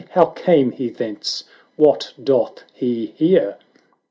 — how came he thence ?— what doth he here?"